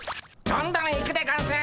どんどん行くでゴンス！